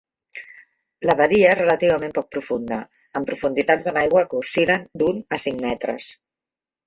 La badia és relativament poc profunda, amb profunditats de l'aigua que oscil·len d'un a cinc metres.